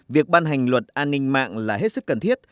việc ban hành luật an ninh mạng là hết sức cần thiết